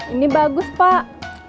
ini bagus pak